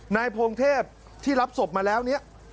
นายพงเทพที่รับศพมาแล้วเนี่ย